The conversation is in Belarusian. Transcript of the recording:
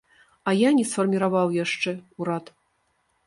А я не сфарміраваў яшчэ ўрад.